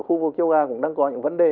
khu vực châu á cũng đang có những vấn đề